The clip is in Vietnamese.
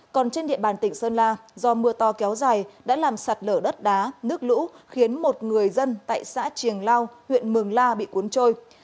còn trên địa bàn tỉnh sơn la do mưa to kéo dài đã làm sạt lở đất đá nước lũ khiến một người dân tại xã triềng lao huyện mường la bị cuốn trôi